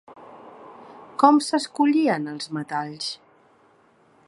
Com s'escollien els metalls?